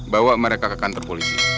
bawa mereka ke kantor polisi